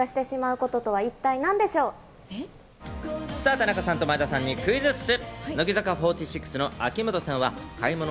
田中さんと前田さんにクイズッス！